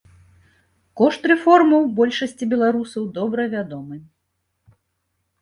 Кошт рэформаў большасці беларусаў добра вядомы.